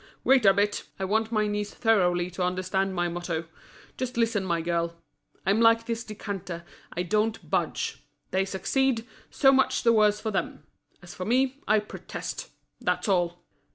"Wait a bit, I want my niece thoroughly to understand my motto. Just listen, my girl: I'm like this decanter, I don't budge. They succeed, so much the worse for them! As for me, I protest—that's all!"